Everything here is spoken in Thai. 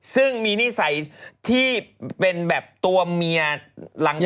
ซึ่งมีนิสัยที่เป็นแบบตัวเมียหลัง